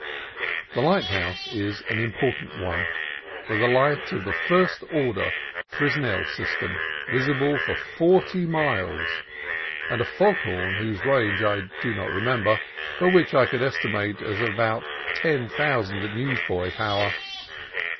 The lighthouse is an important one, with a light NIGHT AT A LIGHTHOUSE 119 of the "first order Fresnel system," visible for forty miles, and a fog horn whose range I do not re member, but which I should estimate as of about ten thousand newsboy power.